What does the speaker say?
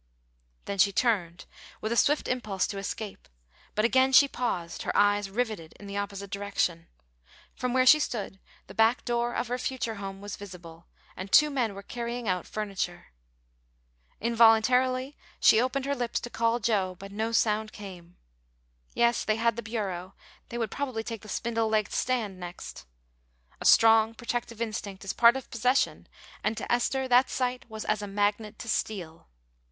Then she turned, with a swift impulse to escape, but again she paused, her eyes riveted in the opposite direction. From where she stood the back door of her future home was visible, and two men were carrying out furniture. Involuntarily she opened her lips to call Joe, but no sound came. Yes, they had the bureau; they would probably take the spindle legged stand next. A strong protective instinct is part of possession, and to Esther that sight was as a magnet to steel.